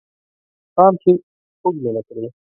پام چې خوږ مې نه کړې